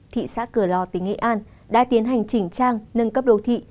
thị xã cửa lò tỉnh nghệ an đã tiến hành chỉnh trang nâng cấp đô thị